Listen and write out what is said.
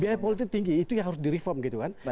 biaya politik tinggi itu yang harus di reform gitu kan